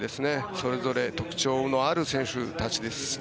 それぞれ特徴のある選手たちです。